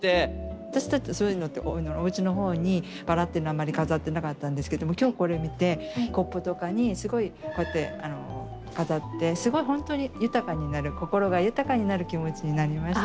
私たちそういうのっておうちのほうにバラっていうのはあんまり飾ってなかったんですけども今日これを見てコップとかにすごいこうやって飾ってすごい本当に豊かになる心が豊かになる気持ちになりました。